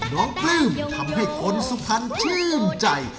น้องปลื้มทำให้คนสุขภัณฑ์ชื่นใจ